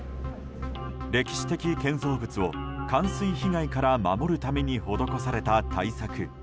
歴史的建造物を、冠水被害から守るために施された対策